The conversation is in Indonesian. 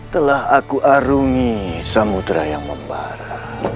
telah aku arungi samudera yang membara